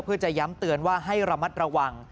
เพื่อจะย้ำเตือนว่าให้ระมัดระวัง